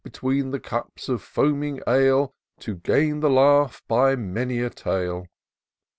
Between the cups of foaming ale. To gain the laugh by many a tale.